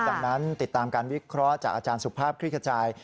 ดังนั้นติดตามการวิเคราะห์จากอาจารย์สุภาพคลิกขจาย